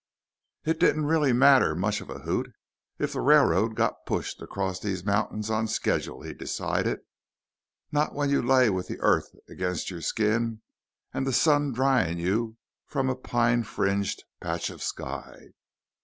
It didn't really matter much of a hoot, if the railroad got pushed across these mountains on schedule, he decided. Not when you lay with the earth against your skin and the sun drying you from a pine fringed patch of sky.